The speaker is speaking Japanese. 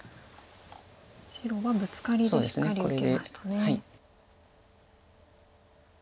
白はブツカリでしっかり受けましたね。